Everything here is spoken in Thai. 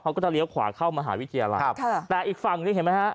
เขาก็จะเลี้ยวขวาเข้ามหาวิทยาลัยครับค่ะแต่อีกฝั่งนี้เห็นไหมฮะ